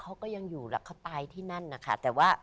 เขาก็ยังอยู่ล่ะเข้าไปที่นั่นอ่ะค่ะแต่ว่า